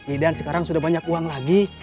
idan sekarang sudah banyak uang lagi